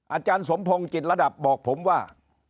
อาจารย์สมพงศ์จิตระดับบอกผมว่า